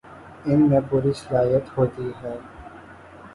ان میں پوری صلاحیت ہوتی ہے